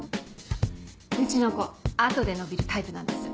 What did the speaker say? うちの子後で伸びるタイプなんです。